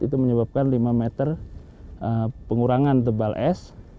itu menyebabkan lima meter pengurangan tebal es